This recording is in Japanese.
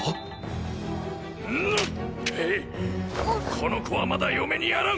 この子はまだ嫁にやらん。